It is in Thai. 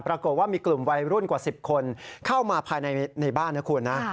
ปรากฏว่ามีกลุ่มวัยรุ่นกว่า๑๐คนเข้ามาภายในบ้านนะคุณนะ